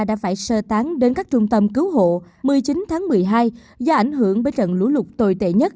đã phải sơ tán đến các trung tâm cứu hộ một mươi chín tháng một mươi hai do ảnh hưởng bởi trận lũ lụt tồi tệ nhất